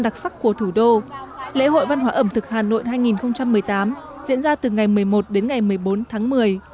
đặc sắc của thủ đô lễ hội văn hóa ẩm thực hà nội hai nghìn một mươi tám diễn ra từ ngày một mươi một đến ngày một mươi bốn tháng một mươi